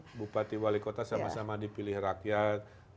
karena bupati dan wali kota sama sama dipilih rakyat